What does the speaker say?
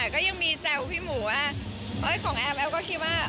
ก็ยังมีแซวพี่หมูว่าของแอมแอฟก็คิดว่า